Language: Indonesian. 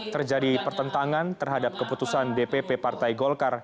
terjadi pertentangan terhadap keputusan dpp partai golkar